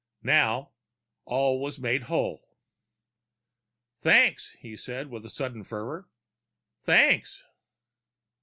Now, all was made whole. "Thanks," he said with sudden fervor. "Thanks!"